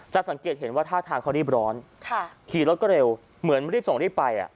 สังเกตเห็นว่าท่าทางเขารีบร้อนขี่รถก็เร็วเหมือนรีบส่งรีบไป